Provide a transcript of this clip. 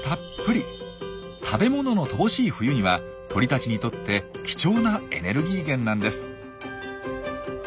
食べ物の乏しい冬には鳥たちにとって貴重なエネルギー源なんです。